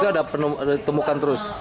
satu minggu itu ada temukan terus